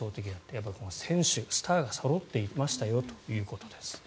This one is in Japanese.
やっぱり選手、スターがそろっていましたよと。